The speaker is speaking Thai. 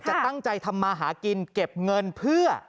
จะตั้งใจทำมาหากินเก็บเงินเพื่อ